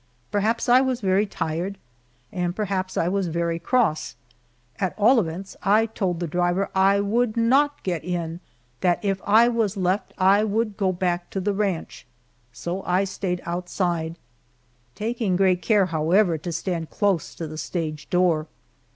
Perhaps I was very tired, and perhaps I was very cross. At all events I told the driver I would not get in that if I was left I would go back to the ranch. So I stayed outside, taking great care, however, to stand close to the stage door.